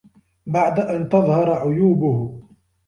بَعْدَ أَنْ تَظْهَرَ عُيُوبُهُ